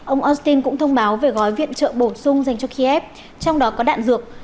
ông austin cũng thông báo về gói viện trợ bổ sung dành cho kiev trong đó có đạn dược